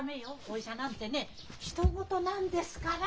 お医者なんてねひと事なんですから。